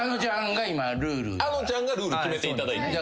あのちゃんがルール決めていただいて。